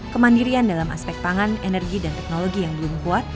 kemandirian dalam aspek pangan energi dan teknologi yang belum kuat